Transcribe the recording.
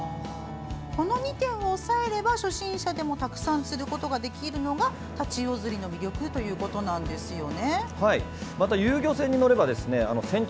この２点を押さえれば初心者でもたくさん釣ることができるのがタチウオ釣りの魅力なんですよね。